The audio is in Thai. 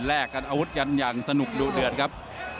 กันอาวุธกันอย่างสนุกดูเดือดครับ